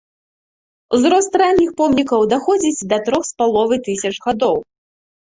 Узрост ранніх помнікаў даходзіць да трох с паловай тысяч гадоў.